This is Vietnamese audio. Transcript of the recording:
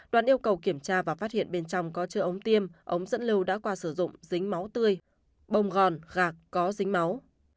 đoàn yêu cầu kiểm tra và phát hiện bên trong có chứa ống tiêm ống dẫn lưu đã qua sử dụng dính máu tươi bông gòn gạc có dính máu